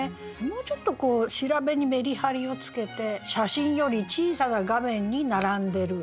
もうちょっとこう調べにメリハリをつけて「写真より小さな画面に並んでる」。